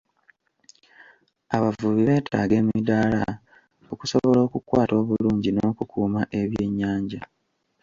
Abavubi beetaaga emidaala okusobola okukwata obulungi n'okukuuma ebyennyanja.